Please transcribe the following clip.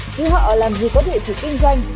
chứ họ làm gì có địa chỉ kinh doanh